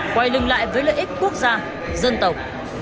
quay lưng lại với lợi ích quốc gia dân tộc